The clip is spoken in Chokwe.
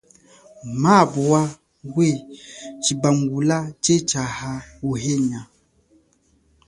Maabwa ngwe chipangula che cha uhenya.